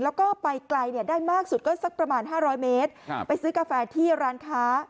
แล้วก็ไปไกลเนี่ยได้มากสุดก็สักประมาณ๕๐๐เมตรไปซื้อกาแฟที่ร้านค้า